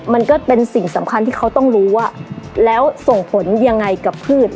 มันก็เป็นสิ่งสำคัญที่เขาต้องรู้ว่าแล้วส่งผลยังไงกับพืช